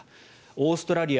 オーストラリア